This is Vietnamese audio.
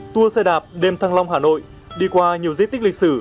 tour xe đạp đêm thăng long hà nội đi qua nhiều di tích lịch sử